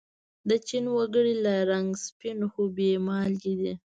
د چین و گړي له رنگه سپین خو بې مالگې دي.